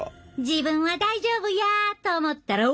自分は大丈夫やと思ったら大間違い！